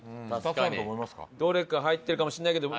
どれか入ってるかもしれないけど。